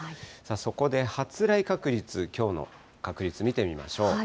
そこで発雷確率、きょうの確率見てみましょう。